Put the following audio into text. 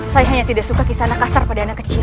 saya hanya tidak suka kisana kasar pada anak kecil